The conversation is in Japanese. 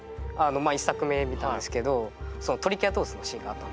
１作目見たんですけどトリケラトプスのシーンがあったんですね。